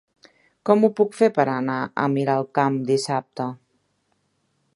Com ho puc fer per anar a Miralcamp dissabte?